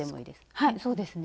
はいそうですね。